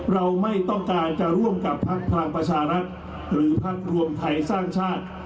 เราไม่ต้องการจะร่วมกับพักพลังประชารัฐหรือพักรวมไทยสร้างชาติ